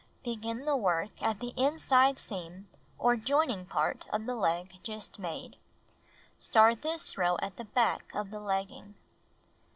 Begin the work at the inside seam or joining point of the leg just made. Start this row at the back of the legging.